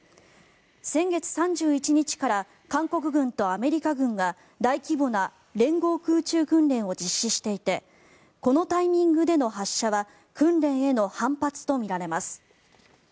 先月３１日から韓国軍とアメリカ軍が大規模な連合空中訓練を実施していてこのタイミングでの発射は訓練への反発とみられます。